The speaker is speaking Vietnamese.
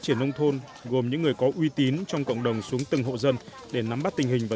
triển nông thôn gồm những người có uy tín trong cộng đồng xuống từng hộ dân để nắm bắt tình hình và